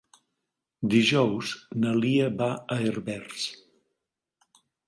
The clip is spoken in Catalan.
Dijous na Lia va a Herbers.